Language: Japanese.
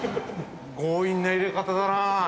強引な入れ方だな。